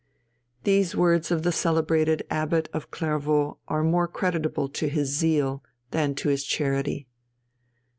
These words of the celebrated Abbot of Clairvaux are more creditable to his zeal than to his charity.